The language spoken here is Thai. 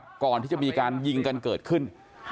ก่อนที่จะมีการยิงกันเกิดขึ้น